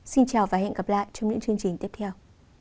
xin chào và hẹn gặp lại trong những chương trình tiếp theo